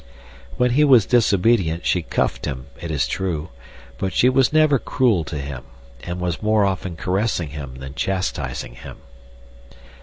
When he was disobedient she cuffed him, it is true, but she was never cruel to him, and was more often caressing him than chastising him.